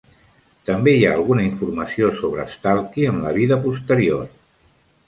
També hi ha alguna informació sobre Stalky en la vida posterior.